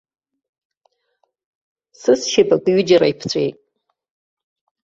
Сызшьапык ҩыџьара иԥҵәеит.